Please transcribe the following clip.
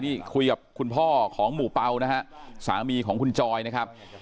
นี่คุยกับคุณพ่อของหมู่เปล่านะฮะสามีของคุณจอยนะครับ